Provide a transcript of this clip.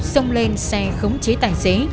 xông lên xe khống chế tài xế